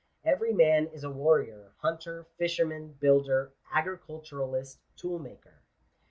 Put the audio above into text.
Every man is a warrior, hunter, fisherman, builder, agriculturist, toolmaker.